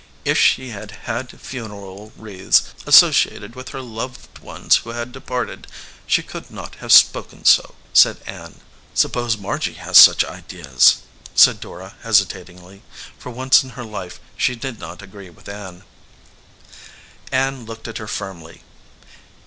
"If she had had funeral wreaths associated with 90 VALUE RECEIVED her loved ones who had departed, she could not have spoken so," said Ann. "Suppose Margy has such ideas/* said Dora, hesitatingly. For once in her life she did not agree with Ann. Ann looked at her firmly.